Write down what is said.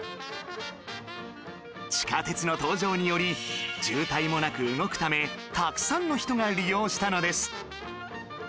地下鉄の登場により渋滞もなく動くためたくさんの人が利用したのです